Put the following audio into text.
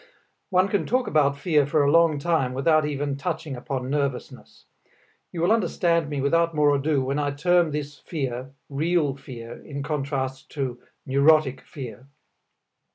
One can talk about fear for a long time without even touching upon nervousness. You will understand me without more ado, when I term this fear real fear in contrast to neurotic fear.